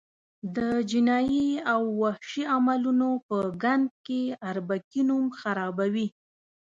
د جنایي او وحشي عملونو په ګند کې اربکي نوم خرابوي.